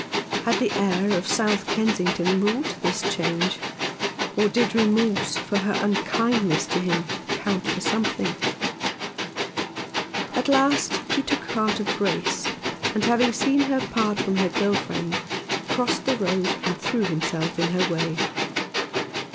Had the air of South Kensington wrought this change, or did remorse for her unkindness to him count for something ? At last he took heart of grace, and having seen her part from her girl friend, crossed the road, and threw himself in her way.